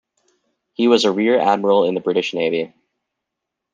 He was a Rear Admiral in the British Navy.